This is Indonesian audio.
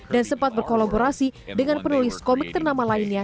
dan sempat berkolaborasi dengan penulis komik ternama lainnya